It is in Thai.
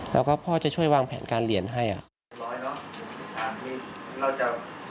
แล้วก็พ่อจะช่วยวางแผนการเรียนให้อ่ะ